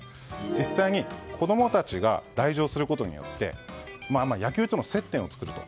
実際に子供たちが来場することによって野球との接点を作ると。